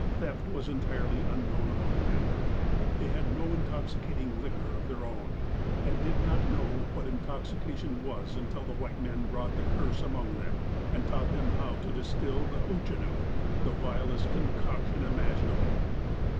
Theft was entirely unknown among them. They had no intoxicating liquor of their own, and did not know what intoxication was until the white man brought the curse among them, and taught them how to distil the "Hoochinoo," the vilest concoction imaginable.